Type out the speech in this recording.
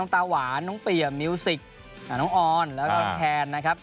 ตาหวานน้องเปี่ยมมิวสิกน้องออนแล้วก็แคนนะครับ